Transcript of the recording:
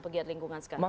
pegiat lingkungan sekarang